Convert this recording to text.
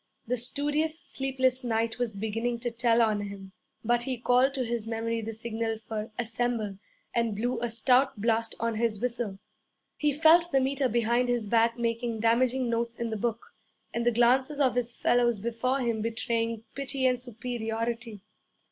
The studious, sleepless night was beginning to tell on him, but he called to his memory the signal for 'Assemble' and blew a stout blast on his whistle. He felt the Meter behind his back making damaging notes in the book, and the glances of his fellows before him betraying pity and superiority.